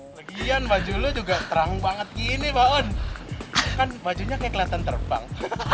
lagian baju lu juga terang banget gini pak on kan bajunya kaya keliatan terbang